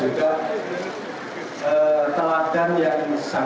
oleh karena itu sebenarnya jendrovel lagi di mana di tugas di penyelidikan